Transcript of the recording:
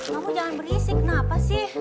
kamu jangan berisik kenapa sih